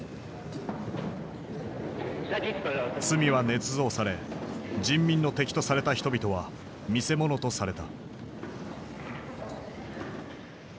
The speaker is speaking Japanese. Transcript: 罪はねつ造され人民の敵とされた人々は見せ物とされた。